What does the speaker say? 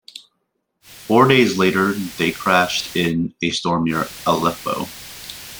Four days later they crashed in a storm near Aleppo.